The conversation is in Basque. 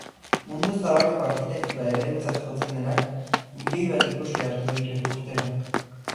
Mundu zabaleko arkitektura eredutzat jotzen denak milioi bat ikusle hartu ditu urtero.